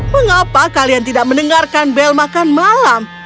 mengapa kalian tidak mendengarkan bel makan malam